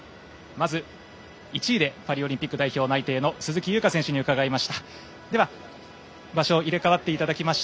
１位でパリオリンピック内定の鈴木優花選手に伺いました。